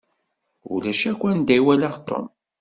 Ulac akk anda i walaɣ Tom.